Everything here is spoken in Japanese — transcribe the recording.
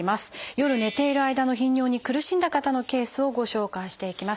夜寝ている間の頻尿に苦しんだ方のケースをご紹介していきます。